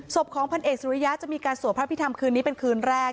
ศพของพันเอกสุริยะจะมีการสวดพระพิธรรมคืนนี้เป็นคืนแรก